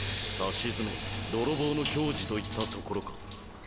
さしずめ泥棒の矜持といったところか。